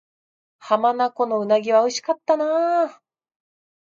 浜名湖の鰻は美味しかったな